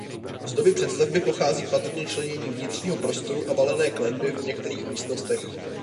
Z doby přestavby pochází patrně členění vnitřního prostoru a valené klenby v některých místnostech.